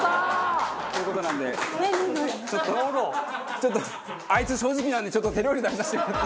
ちょっとあいつ正直なんで手料理食べさせてもらって。